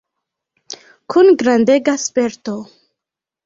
Kun grandega sperto.